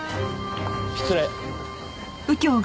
失礼。